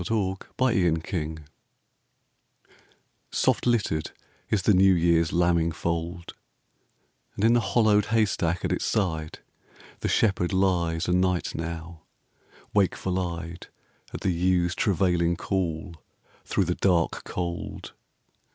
Dante Gabriel Rossetti Spring SOFT LITTERED is the new year's lambing fold, And in the hollowed haystack at its side The shepherd lies o' night now, wakeful eyed At the ewes' travailing call through the dark cold.